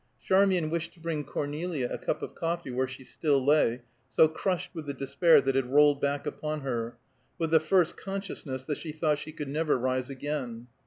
Charmian wished to bring Cornelia a cup of coffee where she still lay, so crushed with the despair that had rolled back upon her with the first consciousness that she thought she never could rise again.